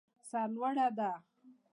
سر لوړه ده.